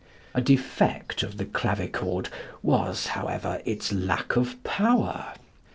A defect of the clavichord was, however, its lack of power.